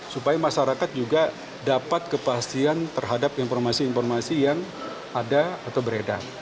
supaya masyarakat juga dapat kepastian terhadap informasi informasi yang ada atau beredar